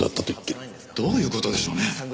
どういう事でしょうね？